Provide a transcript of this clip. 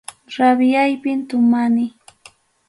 Rabiaypim tomani.